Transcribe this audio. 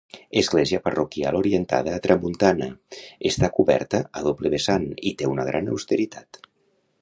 Església parroquial orientada a tramuntana; està coberta a doble vessant i té una gran austeritat.